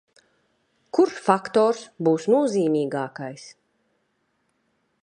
Kurš faktors būs nozīmīgākais?